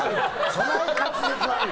そない滑舌悪い？